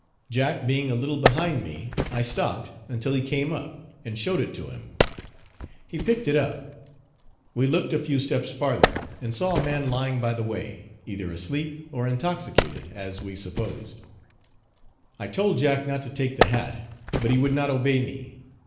Jack being a little behind me I stopped until he camp up, and showed it to him. He picked it up. We looked a few steps farther and saw a man lying by the way, either asleep or intoxicated, as we supposed. I told Jack not to take the hat, but he would not obey me.